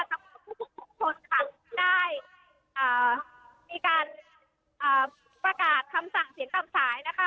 ทั้งผู้สุดทนค่ะได้อ่ามีการอ่าประกาศคำสั่งเสียงตามสายนะคะ